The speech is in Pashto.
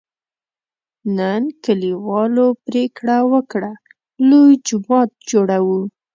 نن کلیوالو پرېکړه وکړه: لوی جومات جوړوو.